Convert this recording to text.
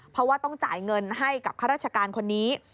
เพราะว่าต้องจ่ายเงินให้กับข้าราชการคนนี้